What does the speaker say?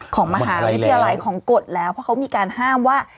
ของมหาวิทยาลัยของกฎแล้วเพราะเขามีการห้ามว่า